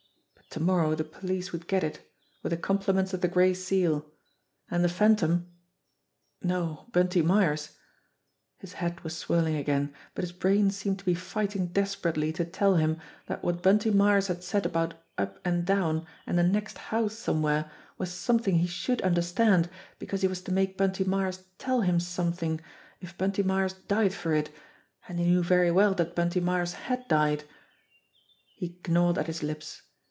But to morrow the police would get it with the compliments of the Gray Seal. And the Phantom no, Bunty Myers ! His head was swirling again, but his brain seemed to be fighting des perately to tell him that what Bunty Myers had said about "up and down" and a "next house" somewhere was some thing he should understand, because he was to make Bunty Myers tell him something if Bunty Myers died for it, and he knew very well that Bunty Myers had died. He gnawed at his lips.